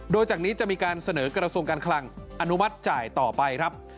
โดยจากนี้จะมีการเสนอกระทรวงการคลังอนุมัติจ่ายต่อไปครับ